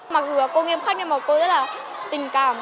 mặc dù cô nghiêm khắc nhưng mà cô rất là tình cảm